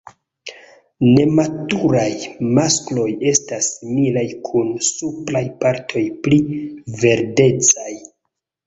Nematuraj maskloj estas similaj kun supraj partoj pli verdecaj.